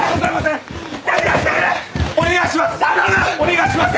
お願いします。